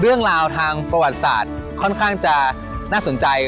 เรื่องราวทางประวัติศาสตร์ค่อนข้างจะน่าสนใจ